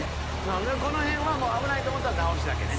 ほんでこの辺はもう危ないと思ったら直しだけね。